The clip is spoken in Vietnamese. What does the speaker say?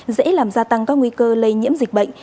dễ làm gia tăng các nguy cơ lây nhiễm dịch bệnh